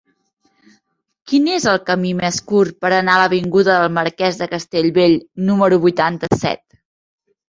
Quin és el camí més curt per anar a l'avinguda del Marquès de Castellbell número vuitanta-set?